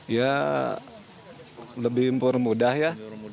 ya lebih mudah ya